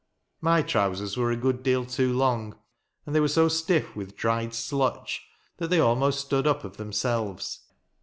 My trousers were a good deal too long, and they were so stiff with dried slutch that they almost stood up of themselves.